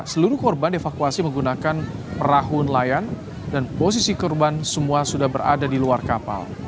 seluruh korban dievakuasi menggunakan perahu nelayan dan posisi korban semua sudah berada di luar kapal